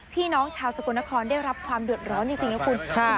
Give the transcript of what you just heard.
พี่น้องชาวสกลนครได้รับความเดือดร้อนจริงนะคุณ